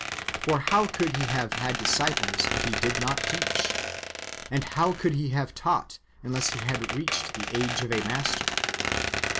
For how could He have had disciples, if He did not teach? And how could He have taught, unless He had reached the age of a !ALister